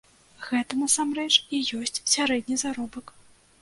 Гэта, насамрэч, і ёсць сярэдні заробак.